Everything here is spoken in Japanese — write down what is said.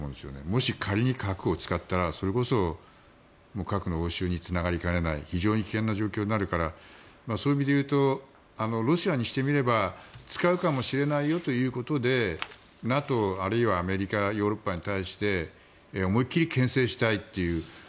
もし、仮に核を使ったらそれこそ核の応酬につながりかねない非常に危険な状況になるからそういう意味で言うとロシアにしてみれば使うかもしれないよということでＮＡＴＯ、あるいはアメリカ、ヨーロッパに対して思い切りけん制したいという。